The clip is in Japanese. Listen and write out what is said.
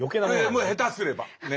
ええ下手すればね。